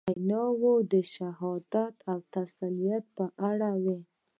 ویناوي د شهادت او تسلیت په اړه وې.